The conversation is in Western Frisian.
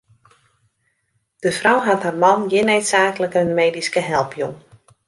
De frou hat har man gjin needsaaklike medyske help jûn.